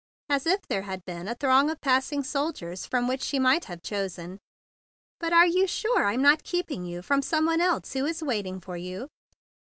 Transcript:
as if there had been a throng of passing soldiers from which she might have chosen. "But are you sure I'm not keeping you from some one else who is waiting for you?"